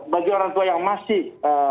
bagi orang tua yang masih